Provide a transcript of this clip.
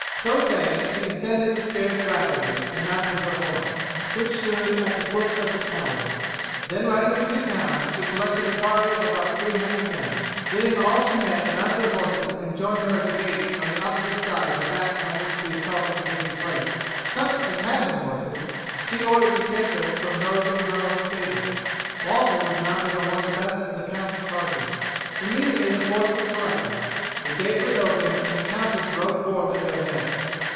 So saying, she descended the stairs rapidly and mounted her horse, which stood at the foot of the tower; then riding through the town, she collected a party of about three hundred men, bidding all she met mount their horses and join her at the gate on the opposite side to that on which the assault was taking place. Such as had no horses she ordered to take them from those in her own stables. Walter was mounted on one of the best of the count's chargers. Immediately the force was collected, the gate was opened and the countess rode forth at their head.